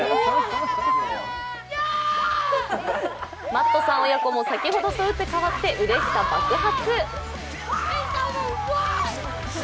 マットさん親子も先ほどと打って変わってうれしさ爆発。